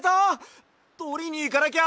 とりにいかなきゃ！